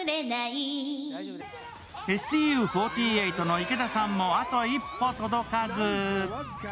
ＳＴＵ４８の池田さんもあと一歩届かず。